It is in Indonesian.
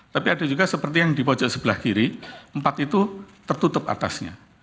tapi ada juga seperti yang di pojok sebelah kiri empat itu tertutup atasnya